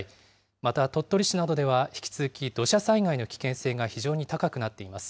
また鳥取市などでは引き続き、土砂災害の危険性が非常に高くなっています。